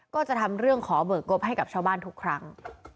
ก็จะทำเรื่องขอเบิกงบให้กับชาวบ้านทุกครั้ง